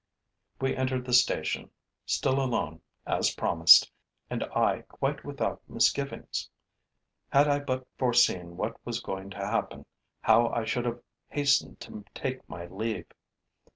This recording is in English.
We entered the station, still alone, as promised, and I quite without misgivings. Had I but foreseen what was going to happen, how I should have hastened to take my leave!